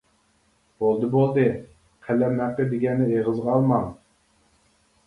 — بولدى، بولدى، قەلەم ھەققى دېگەننى ئېغىزغا ئالماڭ.